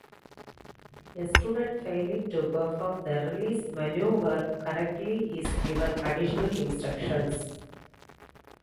A student failing to perform the release maneuver correctly is given additional instruction.